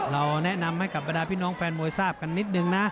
เราแนะนำให้พินองค์แฟนโมยทราบกันนิดนึงนะ